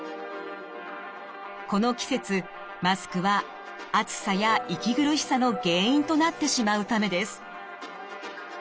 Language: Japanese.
この季節マスクは暑さや息苦しさの原因となってしまうためです。